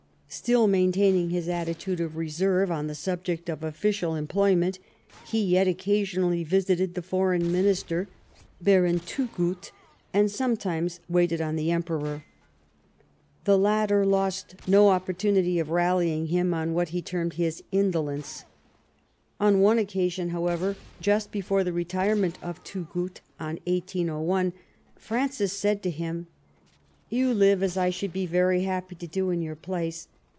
Still maintaining his attitude of reserve on the subject of official employment, he yet occasionally visited the Foreign Minister, Baron Thugut, and sometimes waited on the Emperor. The latter lost no opportunity of rallying him on what he termed his " indolence." On one occasion, however, just before the retirement of Thugut in 1801, Francis said to him: "You live as I should be very happy to do in your place.